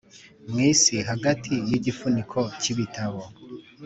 mwisi hagati yigifuniko cyibitabo,